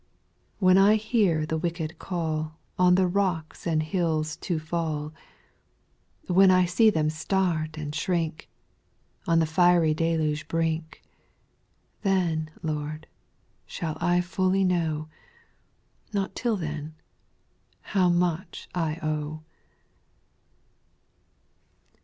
/ SPIRITUAL SONOS, U 2. When T liear the wicked call On the rocks and hills to fall, When I see them start and shrink, On the fiery deluge brink, Then, Lord, shall I fully know, — Not till then, — how much I owe.